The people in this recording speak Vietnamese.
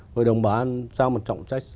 hội đồng bảo an trao một trọng trách